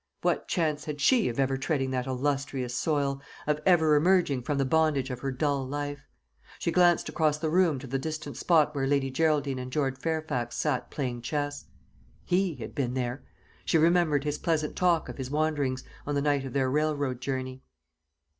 What chance had she of ever treading that illustrious soil, of ever emerging from the bondage of her dull life? She glanced across the room to the distant spot where Lady Geraldine and George Fairfax sat playing chess. He had been there. She remembered his pleasant talk of his wanderings, on the night of their railroad journey.